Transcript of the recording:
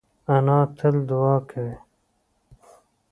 انا تل دعا کوي